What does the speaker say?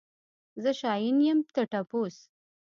زه شاين يم ته ټپوس.